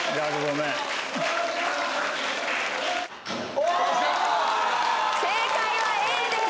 おおー正解はＡです